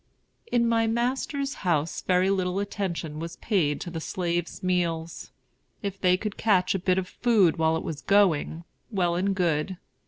In my master's house very little attention was paid to the slaves' meals. If they could catch a bit of food while it was going, well and good.